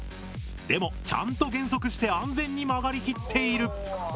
でもちゃんと減速して安全に曲がりきっている。